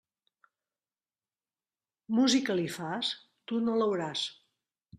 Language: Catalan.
Música li fas? Tu no l'hauràs.